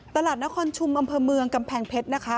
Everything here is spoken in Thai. ตลาดนครชุมอำเภอเมืองกำแพงเพชรนะคะ